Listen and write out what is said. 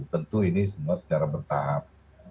tentu ini semua secara bertahap